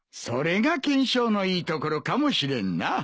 それが懸賞のいいところかもしれんな。